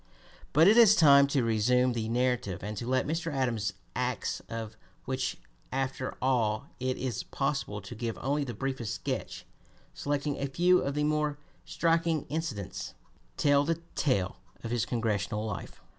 But it is time to resume the narrative and to let Mr. Adams's acts of which after all it is possible to give only the briefest sketch, selecting a few of the more striking incidents tell the tale of his Congressional life.